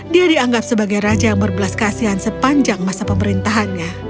dia dianggap sebagai raja yang berbelas kasihan sepanjang masa pemerintahannya